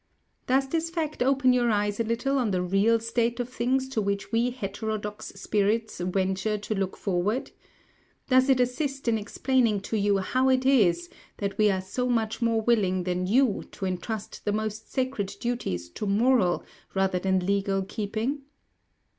"Does this fact open your eyes a little on the real state of things to which we heterodox spirits venture to look forward? Does it assist in explaining to you how it is that we are so much more willing than you to entrust the most sacred duties to moral rather than legal keeping?